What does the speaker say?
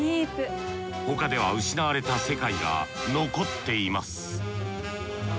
他では失われた世界が残っています